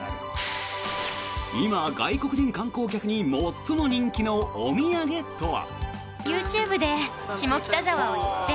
今、外国人観光客に最も人気のお土産とは？